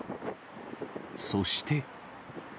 そして。